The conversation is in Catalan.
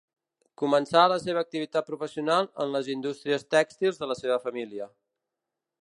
Començà la seva activitat professional en les indústries tèxtils de la seva família.